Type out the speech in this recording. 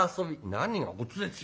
「何がおつですよ